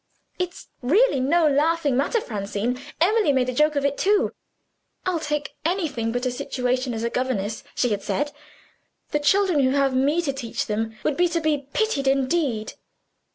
It's really no laughing matter, Francine! Emily made a joke of it, too. 'I'll take anything but a situation as a governess,' she said; 'the children who have Me to teach them would be to be pitied indeed!